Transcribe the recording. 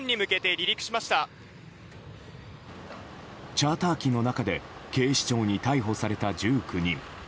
チャーター機の中で警視庁に逮捕された１９人。